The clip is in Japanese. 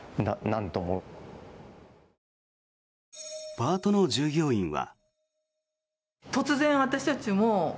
パートの従業員は。